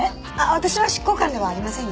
私は執行官ではありませんよ。